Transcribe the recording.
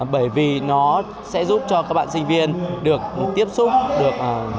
bởi vì nó sẽ giúp cho các bạn sinh viên được tiếp xúc được